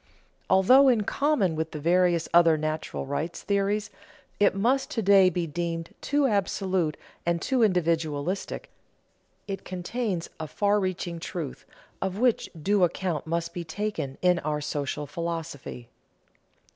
Although, in common with the various other "natural rights" theories, it must to day be deemed too absolute and too individualistic, it contains a far reaching truth, of which due account must be taken in our social philosophy.